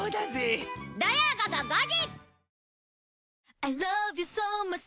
土曜午後５時